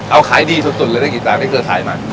เอาขายดีทุกเลยได้กี่ตัวไม่เคยถ่ายมา